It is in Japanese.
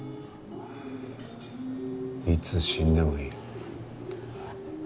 いつ死んでもいい。